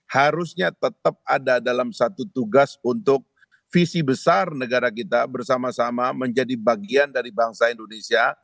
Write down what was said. harusnya tetap ada dalam satu tugas untuk visi besar negara kita bersama sama menjadi bagian dari bangsa indonesia